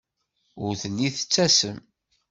Ur telli tettasem.